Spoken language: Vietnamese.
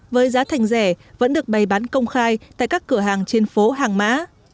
với giá thành rẻ vẫn được bày bán công khai tại các cửa hàng trên phố hàng mã